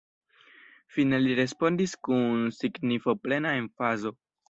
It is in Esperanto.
Fine li respondis kun signifoplena emfazo: